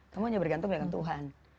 kamu hanya bergantung dengan tuhan